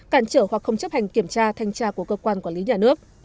cản trở hoặc không chấp hành kiểm tra thanh tra của cơ quan quản lý nhà nước